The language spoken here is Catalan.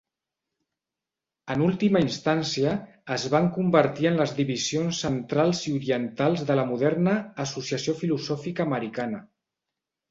En última instància, es van convertir en les divisions centrals i orientals de la moderna Associació filosòfica americana.